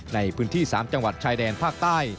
ในพื้นที่๓จังหวัดชายแดนภาคใต้